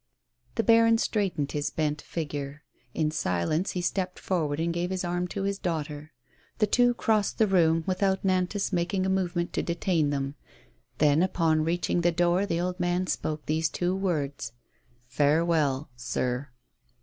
The baron straightened his bent figure. In silence he stepped forward and gave his arm to his daughter. The two crossed the room, without Nantas making a move ment to detain them. Then, upon reaching the door, the old man spoke these two words; " Farewell, sir."